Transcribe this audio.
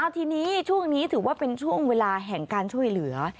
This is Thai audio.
ทีนี้ช่วงนี้ถือว่าเป็นช่วงเวลาแห่งการช่วยเหลือ